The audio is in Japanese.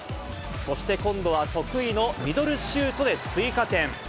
そして今度は、得意のミドルシュートで追加点。